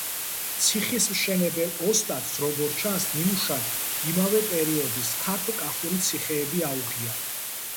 ციხის მშენებელ ოსტატს, როგორც ჩანს, ნიმუშად იმავე პერიოდის ქართლ-კახური ციხეები აუღია.